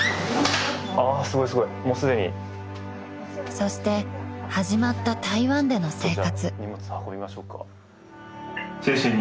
［そして始まった台湾での生活］